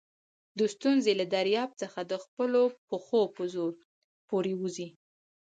د ستونزي له دریاب څخه د خپلو پښو په زور پورېوځئ!